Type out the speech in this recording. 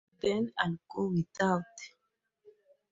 Then I'll go without.